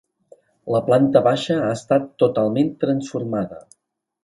La planta baixa ha estat totalment transformada.